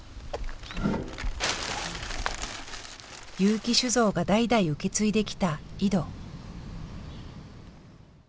結城酒造が代々受け継いできた井戸。